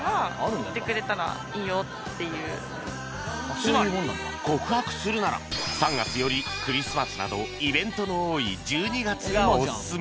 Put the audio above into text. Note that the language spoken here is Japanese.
つまり告白するなら３月よりクリスマスなどイベントの多い１２月がオススメ